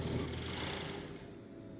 tangan kenan aryono adalah batik